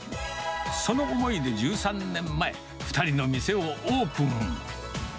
その思いで１３年前、２人の店をオープン。